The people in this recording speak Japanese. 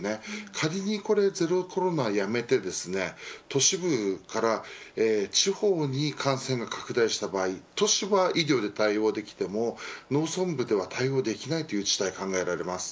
仮にゼロコロナをやめて都市部から地方に感染が拡大した場合は都市は医療で対応ができても農村部では対応できないという事態が考えられます。